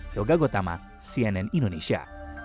yoga gotama cnn indonesia